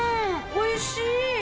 おいしい！